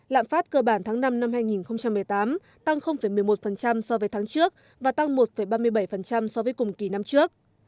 lạm phát cơ bản tháng năm năm hai nghìn một mươi tám tăng một mươi một so với tháng trước và tăng một ba mươi bảy so với cùng kỳ năm trước